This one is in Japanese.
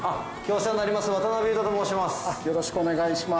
川合と申します。